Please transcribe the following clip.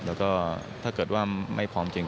แล้วก็ถ้าเกิดว่าไม่พร้อมจริง